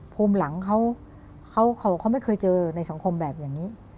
ภูมิหลังเขาไม่เคยเจอในสังคมแบบอย่างนี้